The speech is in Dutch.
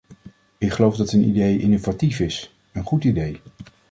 Ik geloof dat hun idee innovatief is - een goed idee.